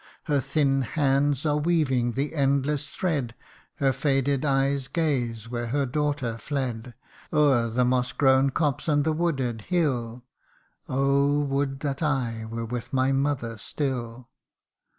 Her thin hands are weaving the endless thread, Her faded eyes gaze where her daughter fled, O'er the moss grown copse and the wooded hill :' Oh ! would that I were with my mother still